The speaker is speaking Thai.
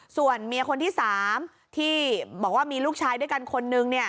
ส่วนเมียคนที่๓ที่บอกว่ามีลูกชายด้วยกันคนนึง